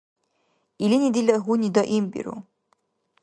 Илини дила гьуни даимбиру.